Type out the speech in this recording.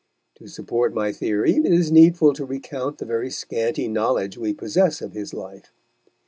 To support my theory, it is needful to recount the very scanty knowledge we possess of his life.